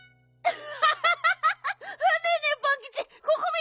アハハハ！